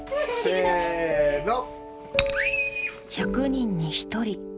１００人に１人。